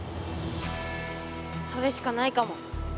それしかないかも。